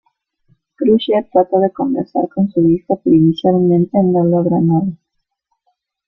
Crusher trata de conversar con su hijo pero inicialmente no logra nada.